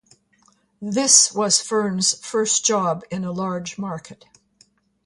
This was Stern's first job in a large market.